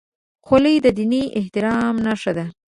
خولۍ د دیني احترام نښه ده.